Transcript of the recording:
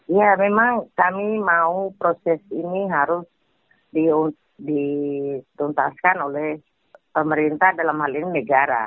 ya memang kami mau proses ini harus dituntaskan oleh pemerintah dalam hal ini negara